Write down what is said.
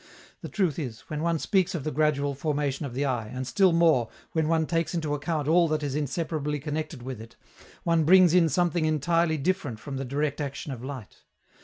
The truth is, when one speaks of the gradual formation of the eye, and, still more, when one takes into account all that is inseparably connected with it, one brings in something entirely different from the direct action of light.